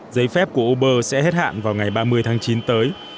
giấy phép của uber sẽ hết hạn vào ngày ba mươi tháng chín tới